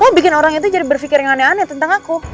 tapi bikin orang itu jadi berpikir yang aneh aneh tentang aku